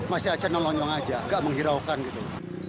masih aja nonyong aja gak menghiraukan gitu